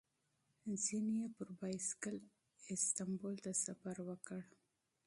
ځینې یې پر بایسکل استانبول ته سفر وکړ.